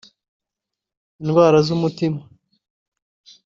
indwara z’umutima